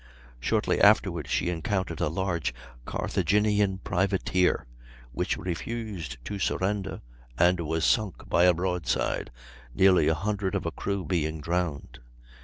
Shortly afterward she encountered a large Carthagenian privateer, which refused to surrender and was sunk by a broadside, nearly a hundred of her crew being drowned.